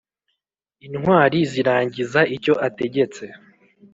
intwari zirangiza icyo ategetse.